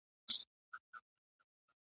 نښانې د جهالت سولې څرگندي `